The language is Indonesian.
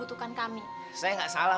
lu dari mana aja sih